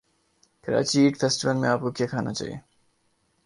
Karachi eat festival میں اپ کو کیا کھانا چاہیے